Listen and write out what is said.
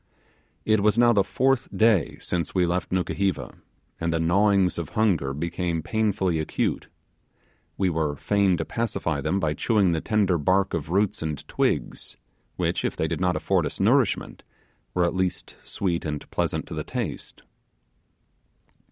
It was now the fourth day since we left Nukuheva, and the gnawings of hunger became painfully acute. We were fain to pacify them by chewing the tender bark of roots and twigs, which, if they did not afford us nourishment, were at least sweet and pleasant to the taste.